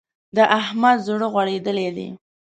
د احمد زړه غوړېدل دی.